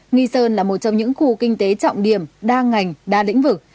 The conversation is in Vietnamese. nghi sơn là một trong những khu kinh tế trọng điểm đa ngành đa lĩnh vực